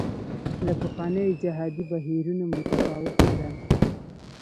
له پخوانیو جهادي بهیرونو متفاوته ده.